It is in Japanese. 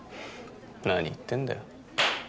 何言ってんだよ